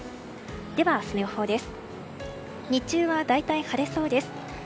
では明日の予報です。